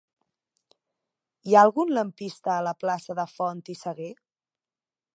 Hi ha algun lampista a la plaça de Font i Sagué?